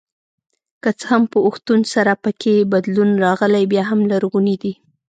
که څه هم په اوښتون سره پکې بدلون راغلی بیا هم لرغوني دي.